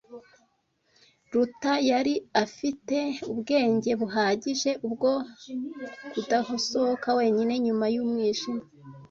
Ruta yari afite ubwenge buhagije bwo kudasohoka wenyine nyuma y'umwijima.